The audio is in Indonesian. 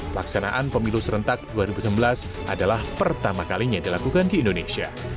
pelaksanaan pemilu serentak dua ribu sembilan belas adalah pertama kalinya dilakukan di indonesia